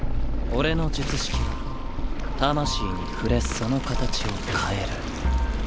俺の術式は魂に触れその形を変える。